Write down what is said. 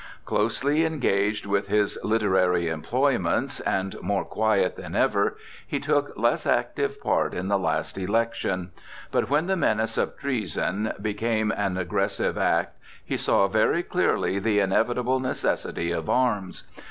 Closely engaged with his literary employments, and more quiet than ever, he took less active part in the last election. But when the menace of treason became an aggressive act, he saw very clearly the inevitable necessity of arms.